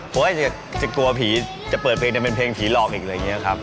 เฮ้ยจะกลัวผีจะเปิดเพลงเป็นเพลงผีหลอกอีกเลย